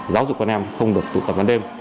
giáo dục con em không được tụ tập ban đêm